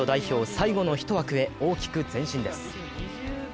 最後の１枠へ大きく前進です。